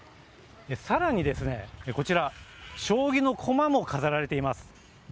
さらにですね、こちら、将棋の駒も飾られています。